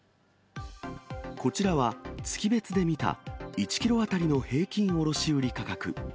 こちらは、月別で見た１キロ当たりの平均卸売り価格。